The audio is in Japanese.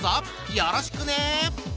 よろしくね！